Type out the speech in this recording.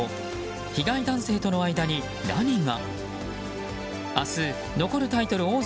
被害男性との間に、何が？